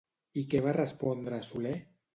I què va respondre Soler?